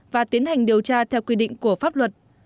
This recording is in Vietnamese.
và tiến hành điều tra theo quy định của pháp luật